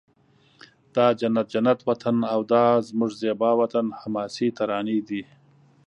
دا جنت جنت وطن او دا زموږ زیبا وطن حماسې ترانې دي